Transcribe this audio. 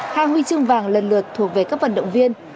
hai huy chương vàng lần lượt thuộc về các vận động viên